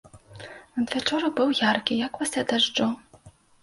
Надвячорак быў яркі, як пасля дажджу.